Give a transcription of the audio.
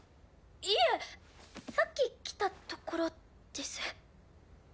いえさっき来たところです。